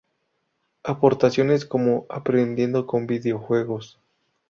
Aportaciones como Aprendiendo con videojuegos.